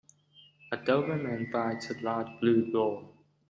A doberman bites a large blue ball.